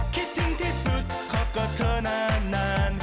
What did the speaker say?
คิดถึงที่สุดขอเกิดเธอนานนาน